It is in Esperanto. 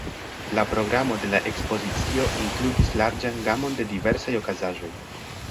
La programo de la ekspozicio inkludis larĝan gamon de diversaj okazaĵoj.